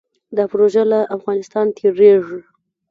دا پروژه له افغانستان تیریږي